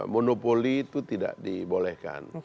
monopoli itu tidak dibolehkan